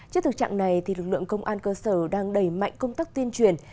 trước thực trạng này lực lượng công an cơ sở đang đẩy mạnh công tác tuyên truyền